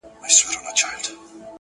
o خدای ئې کوي، خو شولي بې اوبو نه کېږي!